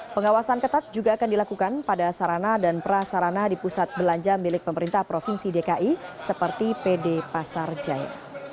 pengawasan ketat juga akan dilakukan pada sarana dan prasarana di pusat belanja milik pemerintah provinsi dki seperti pd pasar jaya